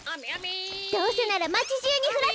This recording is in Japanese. どうせならまちじゅうにふらせて！